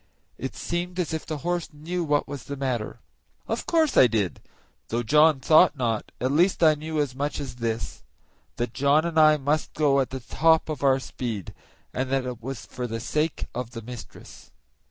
It seemed as if the horse knew what was the matter. Of course I did, though John thought not; at least I knew as much as this that John and I must go at the top of our speed, and that it was for the sake of the mistress.